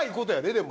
でも。